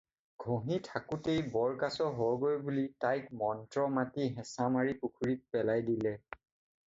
"ঘঁহি থাকোঁতেই "বৰকাছ হগৈ" বুলি তাইক মন্ত্ৰ মাতি হেঁচা মাৰি পুখুৰীত পেলাই দিলে।"